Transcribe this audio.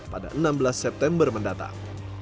pada enam belas september mendatang